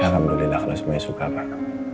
ya alhamdulillah kalau semuanya suka pak